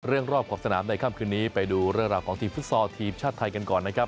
รอบขอบสนามในค่ำคืนนี้ไปดูเรื่องราวของทีมฟุตซอลทีมชาติไทยกันก่อนนะครับ